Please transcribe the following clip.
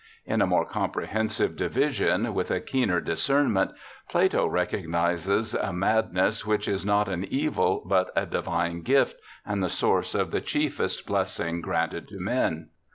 In a more comprehensive division, with a keener discernment, Plato recognizes a madness which is not an evil, but a divine gift, and the source of the chiefest blessings granted to men.